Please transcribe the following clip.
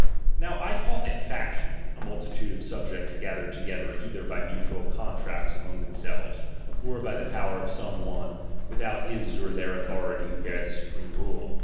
Now I call a /action, a multitude of subjects ga thered together either by mutual contracts among themselves, or by the power of some one, without liis or their authority who bear the supreme rule.